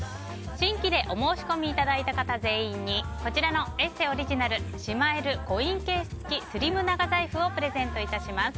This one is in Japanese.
新規でお申し込みいただいた方全員にこちらの「ＥＳＳＥ」オリジナルしまえるコインケース付きスリム長財布をプレゼントいたします。